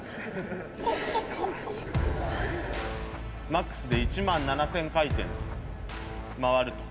マックスで１万７，０００回転回ると。